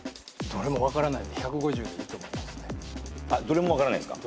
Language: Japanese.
どれも分からないっすか？